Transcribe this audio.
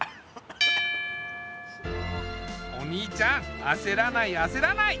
お兄ちゃんあせらないあせらない。